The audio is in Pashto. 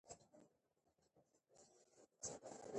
ښځه د انسان په توګه خپل حقونه لري .